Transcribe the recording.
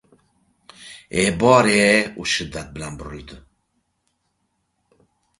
E, bor-e! - u shiddat bilan burildi.